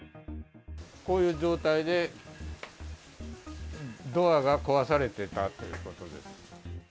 こういう状態で、ドアが壊されてたということです。